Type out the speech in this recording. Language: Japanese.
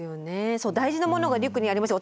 そう大事なものがリュックにありますよ。